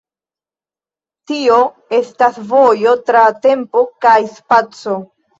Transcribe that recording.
Tio estas vojo tra tempo kaj spaco.